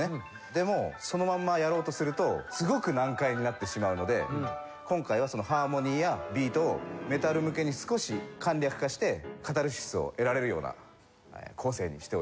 でもそのまんまやろうとするとすごく難解になってしまうので今回はそのハーモニーやビートをメタル向けに少し簡略化してカタルシスを得られるような構成にしております。